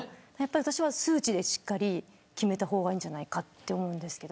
私は数値でしっかり決めた方がいいんじゃないかと思うんですけど。